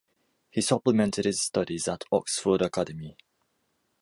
He supplemented his studies at Oxford Academy.